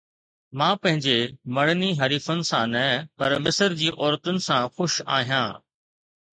مان پنهنجي مڙني حريفن سان نه، پر مصر جي عورتن سان خوش آهيان